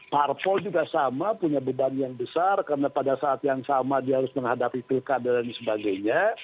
parpol juga sama punya beban yang besar karena pada saat yang sama dia harus menghadapi pilkada dan sebagainya